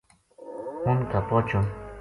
اُنھ کا پوہچن